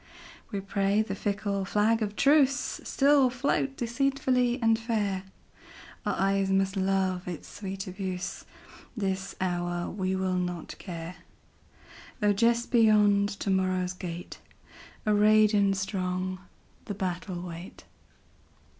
We pray the fickle flag of truceStill float deceitfully and fair; Our eyes must love its sweet abuse; This hour we will not care, Though just beyond to morrow's gate, Arrayed and strong, the battle wait.